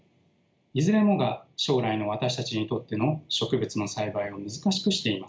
いずれもが将来の私たちにとっての植物の栽培を難しくしています。